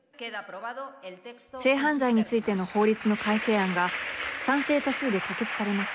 性犯罪についての法律の改正案が賛成多数で可決されました。